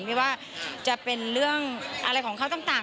ไม่ว่าจะเป็นเรื่องอะไรของเขาต่าง